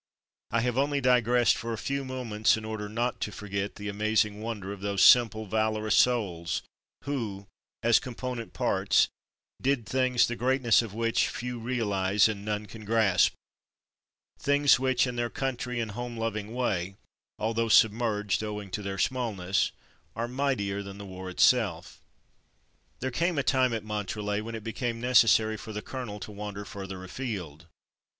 I have only digressed for a few moments in order not to forget the amazing wonder of those simple, valorous souls, who, as component parts, did things the greatness of which few realize and none can grasp — things which in their country and home loving way (although An Extended Inspection Tour 121 submerged owing to their smallness) are mightier than the war itself. There came a time, at Montrelet, when it became necessary for the colonel to wander further afield.